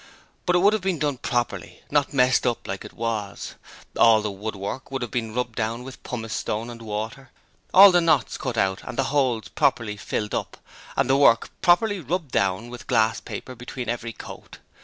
But it would have been done properly, not messed up like that was: all the woodwork would have been rubbed down with pumice stone and water: all the knots cut out and the holes properly filled up, and the work properly rubbed down with glass paper between every coat.